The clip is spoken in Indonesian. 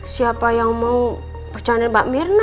siapa yang mau bercandain mbak mirna